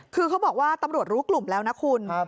คือเขาบอกว่าตำรวจรู้กลุ่มแล้วนะคุณ